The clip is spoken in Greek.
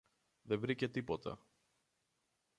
δε βρήκε τίποτα.